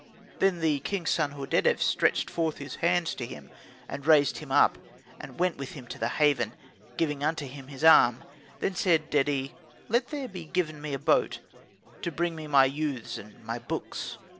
Then the king's son, Hordedef, stretched forth his hands to him, and raised him up, and went with him to the haven, giving unto him his arm. Then said Dedi, "Let there he given me a boat, to bring me my youths and my books."